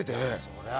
そりゃ